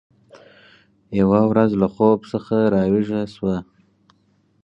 یوه ورځ له خوب څخه راویښه شوه